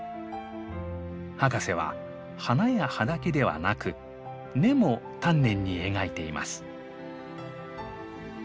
博士は花や葉だけではなく根も丹念に描いています。